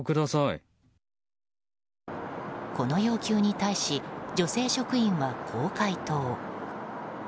この要求に対し、女性職員はこう回答。